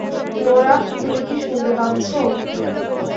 Norah, তুমি কি শুনতে পাচ্ছ?